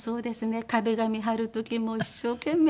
壁紙貼る時も一生懸命貼って。